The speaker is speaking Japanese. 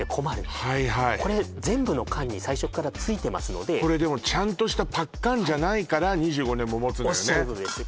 はいはいこれ全部の缶に最初からついてますのでこれでもちゃんとしたパッカンじゃないから２５年も持つのよね